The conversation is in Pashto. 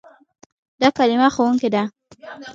دا کلمه "ښوونکی" ده.